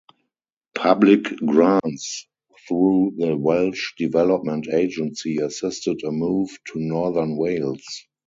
Public grants through the Welsh Development Agency assisted a move to northern Wales.